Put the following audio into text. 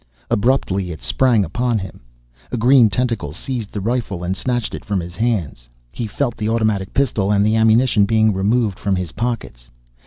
Abruptly, it sprang upon him. A green tentacle seized the rifle and snatched it from his hands. He felt the automatic pistol and the ammunition being removed from his pockets.